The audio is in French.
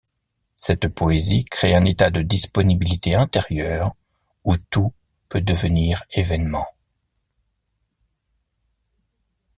Cette poésie crée un état de disponibilité intérieure où tout peut devenir événement.